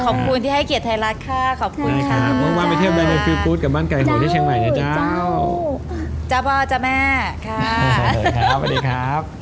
ขอบคุณที่ให้เกียรติไทยรัดค่ะ